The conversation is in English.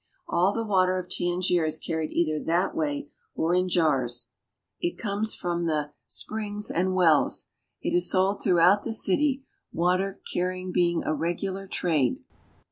All the water of Tangier is carried either that way or in jars. It comes from the I prings and wells; it ^ sold throughout city, water carry ing being a regular trade.